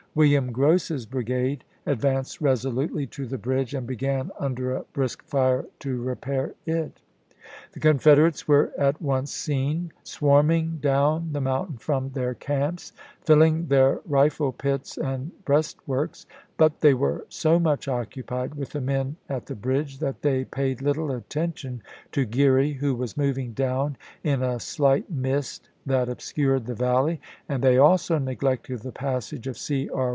William Grose's brigade ad vanced resolutely to the bridge and began under a brisk fire to repair it. The Confederates were at once seen swarming down the mountain from their camps, filling their rifle pits and breastworks ; but they were so much occupied with the men at the bridge that chey paid little attention to Geary, who was moving down in a slight mist that obscured the 142 ABRAHAM LINCOLN Hooker, Report. W. R. Vol, XXXI., Part 11., p. 316. Chap. V. Valley, aiid they also neglected the passage of C. E.